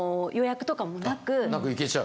なく行けちゃう？